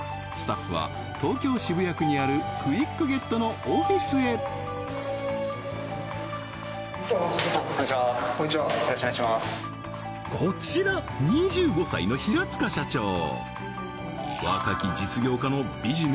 スタッフは東京・渋谷区にあるクイックゲットのオフィスへこちら２５歳の平塚社長